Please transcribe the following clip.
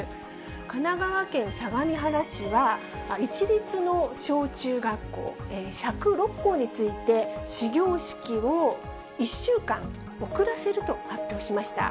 神奈川県相模原市は、市立の小中学校１０６校について、始業式を１週間遅らせると発表しました。